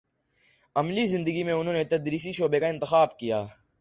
عملی زندگی میں انہوں نے تدریسی شعبے کا انتخاب کیا